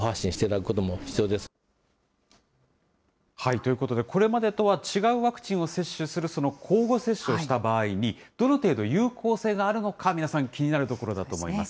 ということで、これまでとは違うワクチンを接種する、その交互接種をした場合に、どの程度有効性があるのか、皆さん、気になるところだと思います。